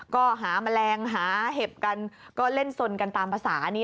ก็หาแมลงหาเห็บกันก็เล่นสนกันตามภาษานี้